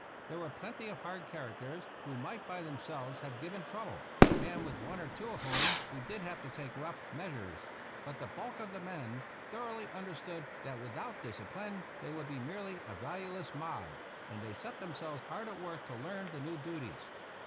There were plenty of hard charac ters who might by themselves have given trouble, and with one or two of whom we did have to take rough measures ; but the bulk of the men thoroughly understood that without discipline they would be merely a valueless mob, and they set themselves hard at work to learn the new duties.